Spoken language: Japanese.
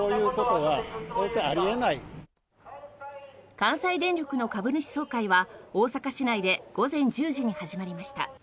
関西電力の株主総会は大阪市内で午前１０時に始まりました。